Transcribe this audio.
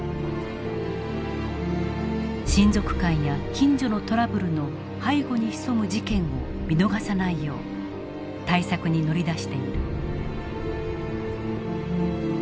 親族間や近所のトラブルの背後に潜む事件を見逃さないよう対策に乗り出している。